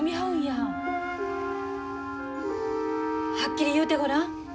はっきり言うてごらん。